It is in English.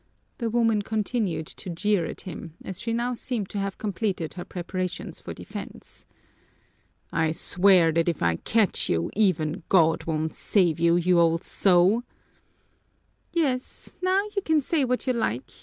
the woman continued to jeer at him, as she now seemed to have completed her preparations for defense. "I swear that if I catch you, even God won't save you, you old sow!" "Yes, now you can say what you like.